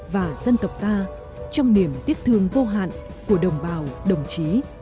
và dân tộc ta trong niềm tiếc thương vô hạn của đồng bào đồng chí